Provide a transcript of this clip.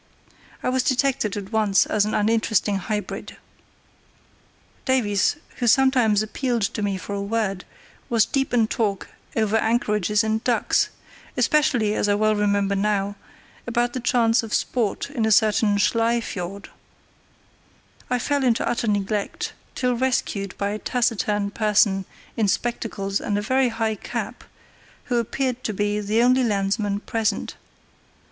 I was detected at once as an uninteresting hybrid. Davies, who sometimes appealed to me for a word, was deep in talk over anchorages and ducks, especially, as I well remember now, about the chance of sport in a certain Schlei Fiord. I fell into utter neglect, till rescued by a taciturn person in spectacles and a very high cap, who appeared to be the only landsman present.